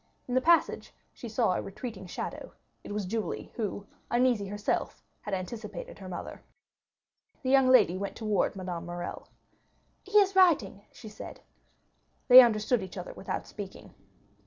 In the passage she saw a retreating shadow; it was Julie, who, uneasy herself, had anticipated her mother. The young lady went towards Madame Morrel. "He is writing," she said. They had understood each other without speaking.